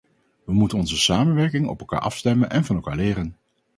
We moeten onze samenwerking op elkaar afstemmen en van elkaar leren.